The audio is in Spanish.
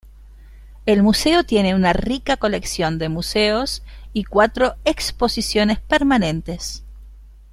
El museo tiene una rica colección de museos y cuatro exposiciones permanentes.